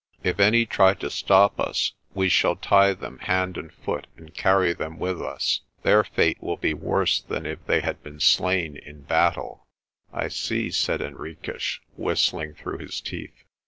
' "If any try to stop us, we shall tie them hand and foot and carry them with us. Their fate will be worse than if they had been slain in battle." "I see," said Henriques, whistling through his teeth.